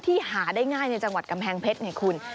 ที่หาได้ง่ายในจังหวัดกำแพงเพชร